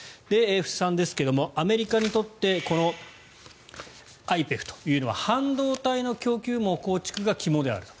布施さんですがアメリカにとってＩＰＥＦというのは半導体の供給網構築が肝であると。